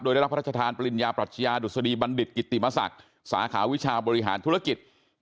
ได้รับพระราชทานปริญญาปรัชญาดุษฎีบัณฑิตกิติมศักดิ์สาขาวิชาบริหารธุรกิจ